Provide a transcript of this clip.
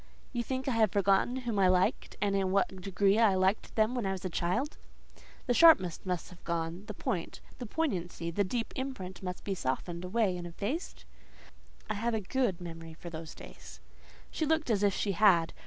"You think I have forgotten whom I liked, and in what degree I liked them when a child?" "The sharpness must be gone—the point, the poignancy—the deep imprint must be softened away and effaced?" "I have a good memory for those days." She looked as if she had.